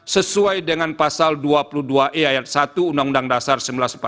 sesuai dengan pasal dua puluh dua e ayat satu undang undang dasar seribu sembilan ratus empat puluh lima